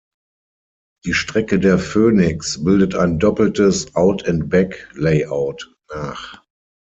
Die Strecke der Phoenix bildet ein doppeltes "Out and Back"-Layout nach.